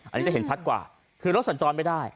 อันนี้จะเห็นชัดกว่าคือรถสัญจรไม่ได้